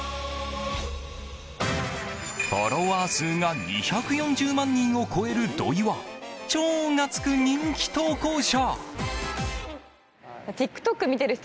フォロワー数が２４０万人を超える土井は超がつく人気投稿者。